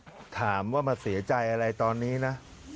ก็ถามว่ามาเสียใจอะไรตอนนี้นะ